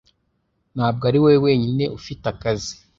Ntabwo ari wowe wenyine ufite akazi.